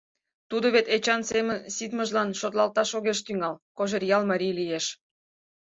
Тудо вет Эчан семын ситмыжлан шотлалташ огеш тӱҥал, Кожеръял марий лиеш.